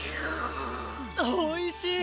おいしい！